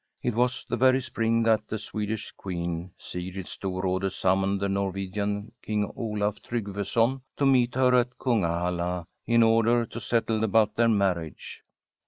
It was the very spring that the Swedish Queen Sigrid Storrade summoned the Norwegian King Olaf Trygveson to meet her at Kungahalla in order to settle about their mar riage.